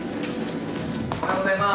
おはようございます。